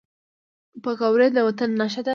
پکورې د وطن نښه ده